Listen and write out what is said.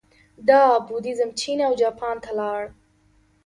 دا بودیزم چین او جاپان ته لاړ